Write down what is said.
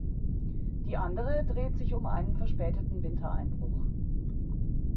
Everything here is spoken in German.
Die andere dreht sich um einen verspäteten Wintereinbruch.